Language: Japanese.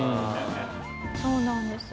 そうなんです。